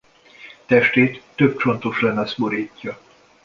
Testét több csontos lemez borítja.